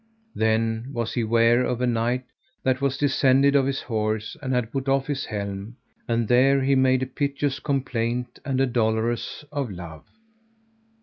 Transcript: Then was he ware of a knight that was descended off his horse, and had put off his helm, and there he made a piteous complaint and a dolorous, of love.